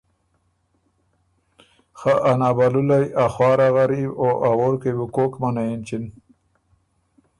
خه ا نابَلُولئ، ا خوار ا غریب او ا ووړکئ بُو کوک منعئ اېنچِن۔